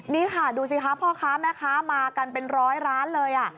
นี่ค่ะดูสิคะพ่อค้าแม่ค้ามากันเป็นร้อยร้านเลย